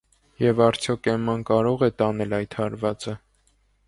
Եվ արդյոք Էմման կարո՞ղ է տանել այդ հարվածը…